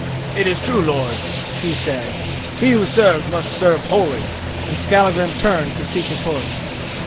"It is true, lord," he said. "He who serves must serve wholly," and Skallagrim turned to seek his horse.